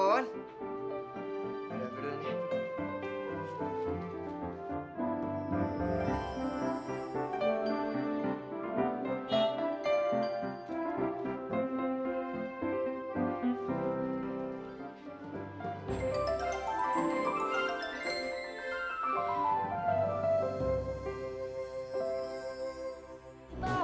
ayo beli beli aja